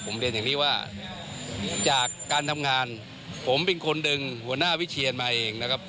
ผมเรียนอย่างนี้ว่าจากการทำงานผมเป็นคนดึงหัวหน้าวิเชียนมาเองนะครับ